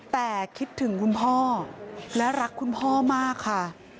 แต่คิดถึงคุณพ่อและรักคุณพ่อมากค่ะ